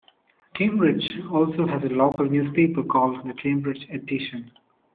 Cambridge also has a local newspaper called the Cambridge Edition.